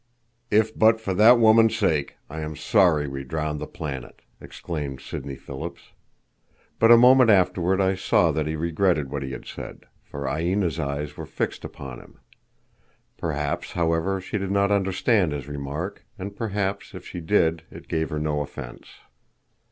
"If but for that woman's sake, I am sorry we drowned the planet," exclaimed Sidney Phillips. But a moment afterward I saw that he regretted what he had said, for Aina's eyes were fixed upon him. Perhaps, however, she did not understand his remark, and perhaps if she did it gave her no offence.